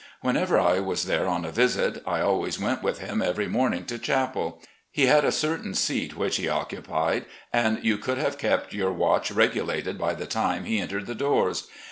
Whenever I was there on a visit I always went ■with him every morning to chapel. He had a certain seat which he occupied, and you could have kept your watch regu AN IDEAL FATHER 263 lated by the time he entered the doors.